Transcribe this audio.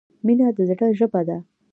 مینه د زړه ژبه ده.